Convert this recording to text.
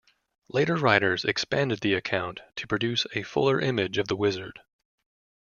Later writers expanded the account to produce a fuller image of the wizard.